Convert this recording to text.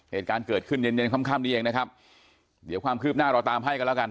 เหตุการณ์เกิดขึ้นเย็นเย็นค่ำค่ำนี้เองนะครับเดี๋ยวความคืบหน้าเราตามให้กันแล้วกัน